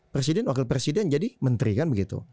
presiden wakil presiden jadi menteri kan begitu